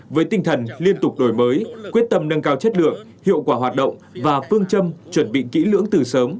với tinh thần liên tục đổi mới quyết tâm nâng cao chất lượng hiệu quả hoạt động và phương châm chuẩn bị kỹ lưỡng từ sớm